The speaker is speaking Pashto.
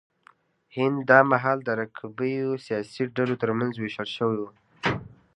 هند دا مهال د رقیبو سیاسي ډلو ترمنځ وېشل شوی و.